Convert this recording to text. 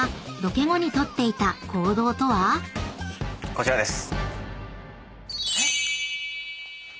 こちらです。